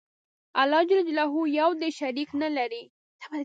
الله ج یو دی شریک نه لری